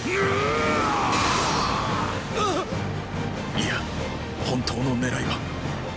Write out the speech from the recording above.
いや本当の狙いはっ！